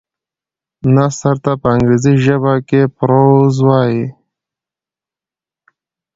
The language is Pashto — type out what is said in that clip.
نثر ته په انګريزي ژبه کي Prose وايي.